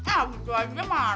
ah gitu aja marah